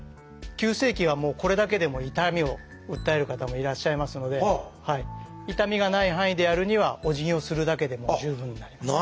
急性期はもうこれだけでも痛みを訴える方もいらっしゃいますので痛みがない範囲でやるにはおじぎをするだけでも十分になります。